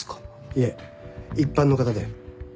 いえ一般の方で。